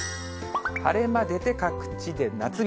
晴れ間出て各地で夏日。